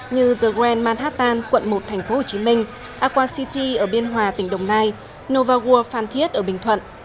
như the grand manhattan quận một thành phố hồ chí minh aqua city ở biên hòa tỉnh đồng nai nova world phan thiết ở bình thuận